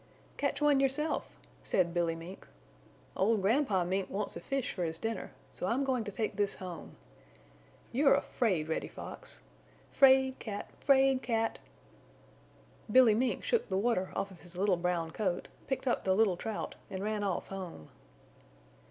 "Catch one yourself," said Billy Mink. "Old Grandpa Mink wants a fish for his dinner, so I am going to take this home. You're afraid, Reddy Fox! 'Fraid cat! Fraid cat!" Billy Mink shook the water off of his little brown coat, picked up the little Trout and ran off home.